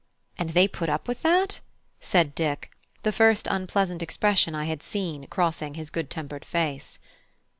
"And they put up with that?" said Dick, with the first unpleasant expression I had seen on his good tempered face.